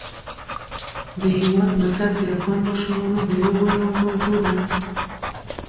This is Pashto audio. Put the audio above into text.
د هېواد مرکز د افغان ماشومانو د لوبو یوه موضوع ده.